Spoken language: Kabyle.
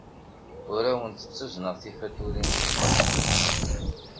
Ur awen-ttazneɣ tifatuṛin s lfaks.